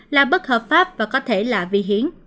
là bất hợp pháp và có thể là vi hiến